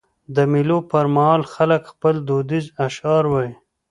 د مېلو پر مهال خلک خپل دودیز اشعار وايي.